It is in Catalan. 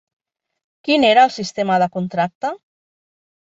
Quin era el sistema de contracte?